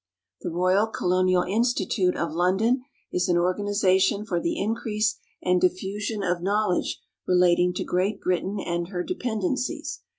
The Royal Colonial Institute, of London, is an organization for the in crease and diffusion of knowledge relating to Great Britain and her dei)endencies.